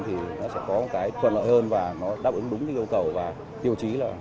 thì nó sẽ có một cái thuận lợi hơn và nó đáp ứng đúng cái yêu cầu và tiêu chí là